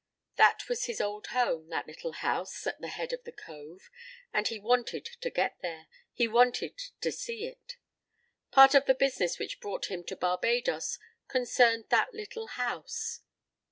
That was his old home, that little house at the head of the cove, and he wanted to get there, he wanted to see it. Part of the business which brought him to Barbadoes concerned that little house.